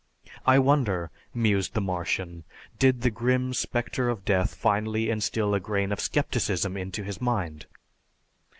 "I wonder," mused the Martian, "did the grim spectre of death finally instill a grain of scepticism into his mind?"